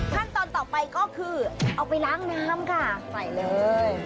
ขั้นตอนต่อไปก็คือเอาไปล้างน้ำค่ะใส่เลย